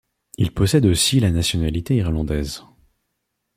Il possède aussi la nationalité irlandaise.